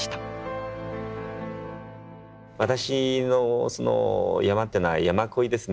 私の山っていうのは山恋ですね。